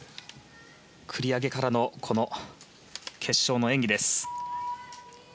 繰り上げからの決勝の演技です。